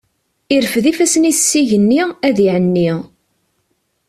Irfed ifassen-is s igenni, ad iεenni.